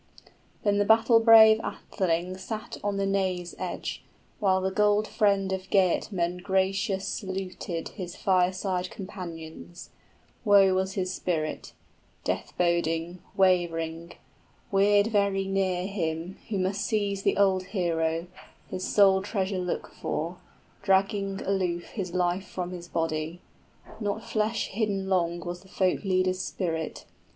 Then the battle brave atheling sat on the naze edge, While the gold friend of Geatmen gracious saluted His fireside companions: woe was his spirit, 30 Death boding, wav'ring; Weird very near him, Who must seize the old hero, his soul treasure look for, Dragging aloof his life from his body: Not flesh hidden long was the folk leader's spirit.